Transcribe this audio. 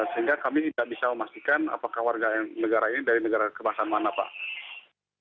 sehingga kami tidak bisa memastikan apakah warga negara ini dari negara kemasan mana pak